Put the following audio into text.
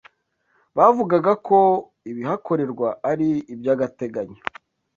bavugaga ko ibihakorerwa ari iby’agateganyo